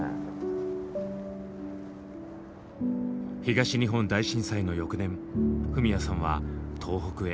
東日本大震災の翌年フミヤさんは東北へ。